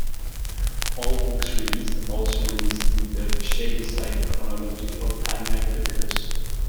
All books released are also released in the Shadyside chronological timeline it occurs.